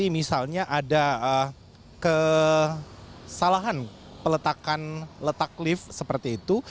misalnya ada kesalahan peletakan letak lift seperti itu